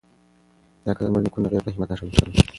دا کلا زموږ د نېکونو د غیرت او همت نښه ده.